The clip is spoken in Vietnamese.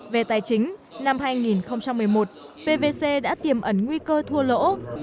về tài chính năm hai nghìn một mươi một pvc đã tiềm ẩn nguy cơ thua lỗ